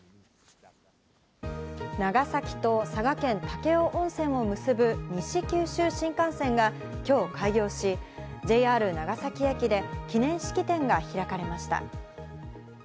長崎と佐賀県・武雄温泉を結ぶ、西九州新幹線が今日開業し、ＪＲ長崎駅で記念式典が開かれました。